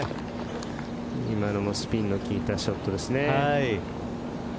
今のもスピンの利いたショットですね。